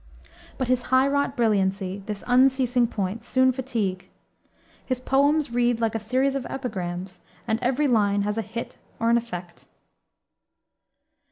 But his high wrought brilliancy, this unceasing point, soon fatigue. His poems read like a series of epigrams; and every line has a hit or an effect.